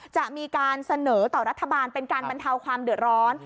จะมีการเสนอต่อรัฐบาลเป็นการบรรเทาความเดือดร้อน